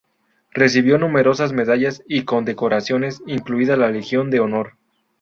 Recibió numerosas medallas y condecoraciones, incluida la Legión de honor.